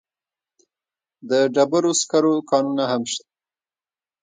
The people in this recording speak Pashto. د ډبرو سکرو کانونه هم شته.